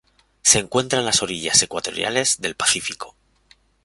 Se encuentra en las aguas ecuatoriales del Pacífico.